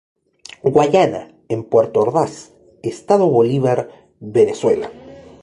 Guayana, en Puerto Ordaz, estado Bolívar, Venezuela.